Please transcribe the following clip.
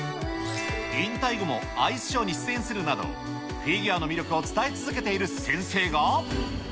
引退後もアイスショーに出演するなど、フィギュアの魅力を伝え続けている先生が。